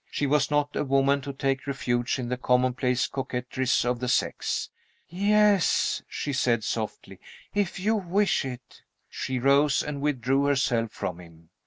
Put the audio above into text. She was not a woman to take refuge in the commonplace coquetries of the sex. "Yes," she said, softly, "if you wish it." She rose and withdrew herself from him.